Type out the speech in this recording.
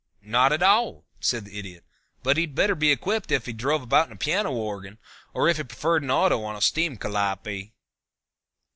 "Not at all," said the Idiot. "But he'd be better equipped if he drove about in a piano organ, or if he preferred an auto on a steam calliope."